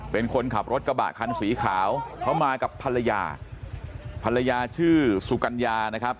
เป็นคนขับรถกระบะคันสีขาวเขามากับภรรยาภรรยาชื่อสุกัญญานะครับ